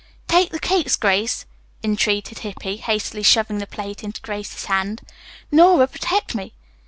"Take the cakes, Grace," entreated Hippy, hastily shoving the plate into Grace's hand. "Nora, protect me.